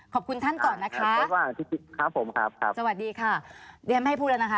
ขอบคุณท่านก่อนนะคะสวัสดีค่ะไม่ให้พูดแล้วนะคะ